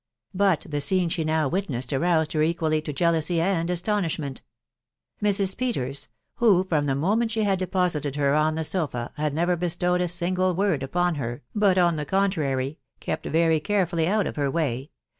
But the scene she now witnessed aroused her equally to jealousy and astonish ment. Mrs. Peters — who, from the moment she had depo sited her on the sofa, had never bestowed a single word upon her, but, on the contrary, kept Tretv caxefcftY] cwx dl THB WIDOW RAKNABY.